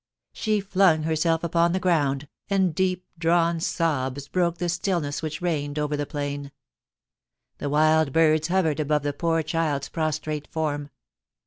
She flung herself upon the ground, and deep drawn sobs broke the stillness which reigned over the plaia The wild birds hovered above the poor child's prostrate form.